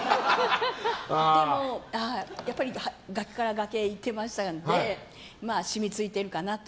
でも、崖から崖に行ってましたので染みついてるかなと。